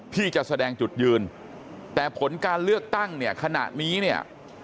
ที่จะแสดงจุดยืนแต่ผลการเลือกตั้งขนาดนี้